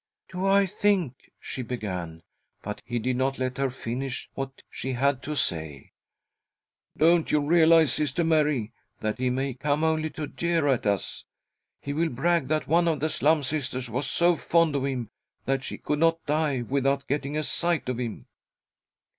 " Do I think " she began, but he did not let her finish what she had to say. " Don't you realise, Sister Mary, that he may come only to jeer at us ? He will brag that one of the Slum Sisters was so fond of him, that she could not die without getting a sight of him."